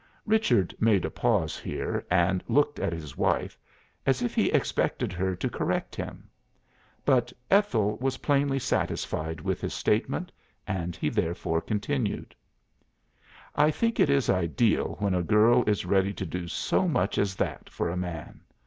Richard made a pause here, and looked at his wife as if he expected her to correct him. But Ethel was plainly satisfied with his statement, and he therefore continued. "I think it is ideal when a girl is ready to do so much as that for a man.